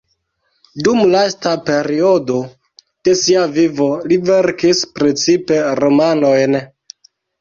Dum lasta periodo de sia vivo li verkis precipe romanojn.